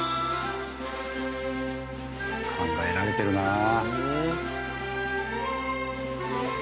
考えられてるなあ。